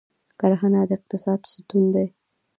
کرهڼه د اقتصاد ستون دی